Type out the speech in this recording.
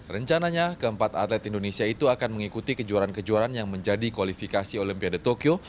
rencananya keempat atlet indonesia itu akan mengikuti kejuaraan kejuaraan yang menjadi kualifikasi olimpiade tokyo